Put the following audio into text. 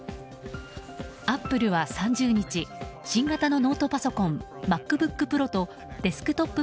アップルは３０日新型のノートパソコンＭａｃＢｏｏｋＰｒｏとデスクトップ